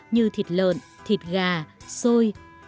như thịt lợn thịt gà xôi